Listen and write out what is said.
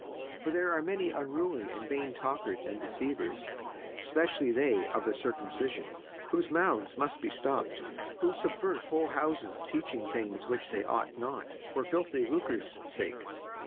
56:001:010 For there are many unruly and vain talkers and deceivers, specially they of the circumcision: 56:001:011 Whose mouths must be stopped, who subvert whole houses, teaching things which they ought not, for filthy lucre's sake.